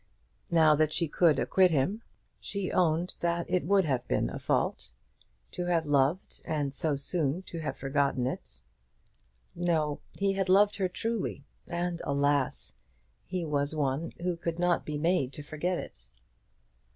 Now that she could acquit him, she owned that it would have been a fault. To have loved, and so soon to have forgotten it! No; he had loved her truly, and alas! he was one who could not be made to forget it.